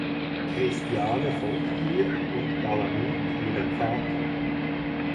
Christiane folgt ihr und alarmiert ihren Vater.